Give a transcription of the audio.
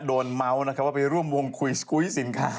โดนเมาว์นะครับว่าไปร่วมวงคุยสินค้า